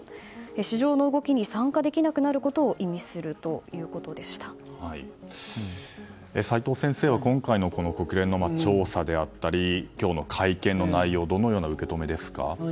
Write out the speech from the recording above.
市場の動きに参加できなくなることを齋藤先生は今回の国連の調査や今日の会見の内容どんな受け止めですか？